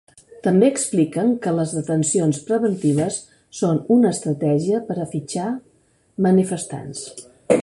També expliquen que les detencions preventives són una estratègia per a fitxar manifestants.